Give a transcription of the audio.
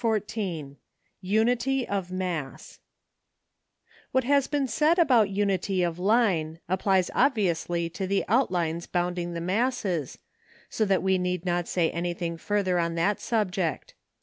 XIV UNITY OF MASS What has been said about unity of line applies obviously to the outlines bounding the masses, so that we need not say anything further on that subject.